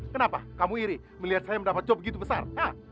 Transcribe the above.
kenapa kamu iri melihat saya mendapatkan coba begitu besar